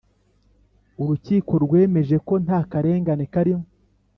urukiko rwemeje ko nta karengane karimo